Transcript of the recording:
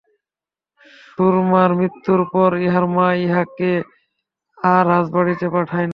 সুরমার মৃত্যুর পর ইহার মা ইহাকে আর রাজবাড়িতে পাঠায় নাই।